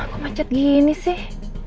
kok macet gini sih